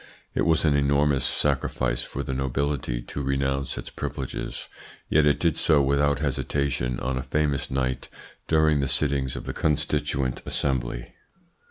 It was an enormous sacrifice for the nobility to renounce its privileges, yet it did so without hesitation on a famous night during the sittings of the Constituant Assembly.